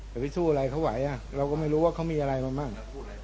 แต่ไปสู้อะไรเขาไหวเราก็ไม่รู้ว่าเขามีอะไรมามั่ง